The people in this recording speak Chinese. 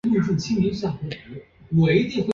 土田七为姜科土田七属下的一个种。